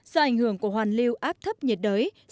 do ảnh hưởng của hoàn lưu áp thấp nhiệt đới